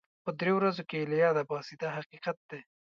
په دریو ورځو کې یې له یاده باسي دا حقیقت دی.